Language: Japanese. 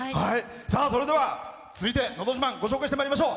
それでは続いて「のど自慢」ご紹介してまいりましょう。